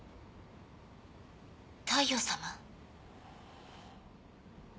大陽さま？